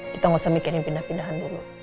kita nggak usah mikirin pindah pindahan dulu